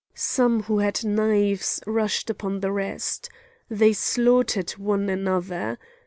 Some who had knives rushed upon the rest. They slaughtered one another.